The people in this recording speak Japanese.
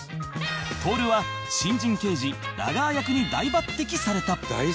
徹は新人刑事ラガー役に大抜擢された